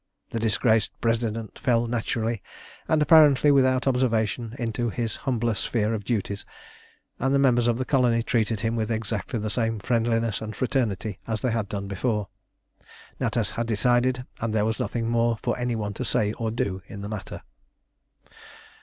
The disgraced President fell naturally, and apparently without observation, into his humbler sphere of duties, and the members of the colony treated him with exactly the same friendliness and fraternity as they had done before. Natas had decided, and there was nothing more for any one to say or do in the matter.